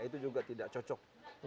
itu juga tidak cocok